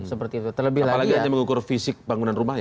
apalagi hanya mengukur fisik bangunan rumah ya